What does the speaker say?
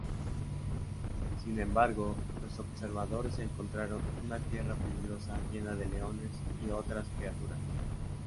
Sin embargo, los observadores encontraron una tierra peligrosa llena de leones y otras criaturas.